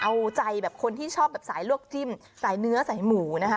เอาใจแบบคนที่ชอบแบบสายลวกจิ้มสายเนื้อสายหมูนะคะ